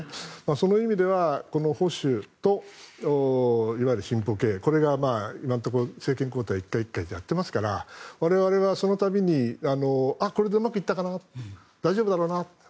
その意味では保守といわゆる進歩系これが今のところ、政権交代１回１回やっていますから我々はその度にこれでうまくいったかな大丈夫だろうなと。